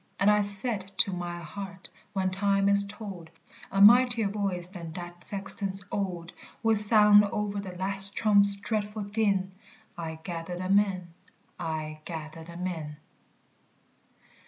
And I said to my heart, when time is told, A mightier voice than that sexton's old Will sound o'er the last trump's dreadful din "I gather them in, I gather them in."